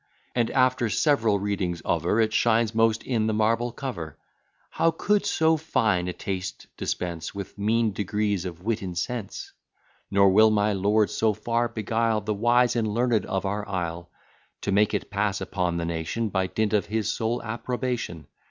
And, after several readings over, It shines most in the marble cover. How could so fine a taste dispense With mean degrees of wit and sense? Nor will my lord so far beguile The wise and learned of our isle; To make it pass upon the nation, By dint of his sole approbation.